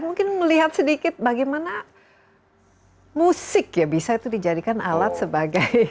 mungkin melihat sedikit bagaimana musik bisa dijadikan alat sebagai